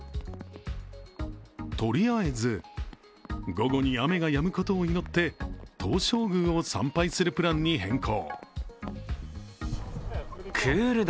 とりあえず午後に雨がやむことを祈って東照宮を参拝するプランに変更。